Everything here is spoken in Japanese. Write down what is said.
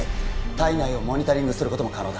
体内をモニタリングすることも可能だ